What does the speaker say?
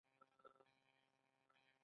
د سیستان جهیل مرغان له کوم ځای راځي؟